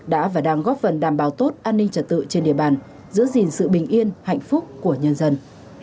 đã và đang góp phần đảm bảo tốt an ninh trật tự trên địa bàn giữ gìn sự bình yên hạnh phúc của nhân dân